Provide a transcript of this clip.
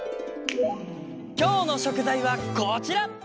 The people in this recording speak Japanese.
きょうのしょくざいはこちら！